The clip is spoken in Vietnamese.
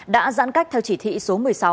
đã giãn cách theo chỉ thị số một mươi sáu